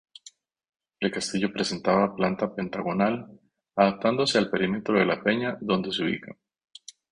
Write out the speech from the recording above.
El castillo presentaba planta pentagonal adaptándose al perímetro de la peña donde se ubica.